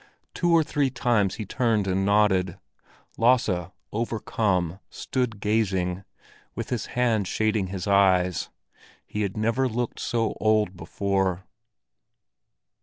Two or three times he turned and nodded; Lasse, overcome, stood gazing, with his hand shading his eyes. He had never looked so old before.